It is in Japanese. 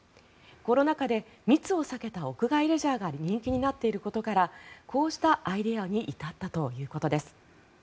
コロナ禍で密を避けた屋外レジャーが人気になっていることからこうしたアイデアに至ったということです。